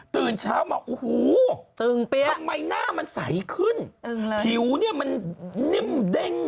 ตื่นเช้ามาโอ้โหทำไมหน้ามันใสขึ้นผิวเนี่ยมันนิ่มเด้ง